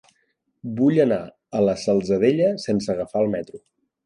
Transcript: Vull anar a la Salzadella sense agafar el metro.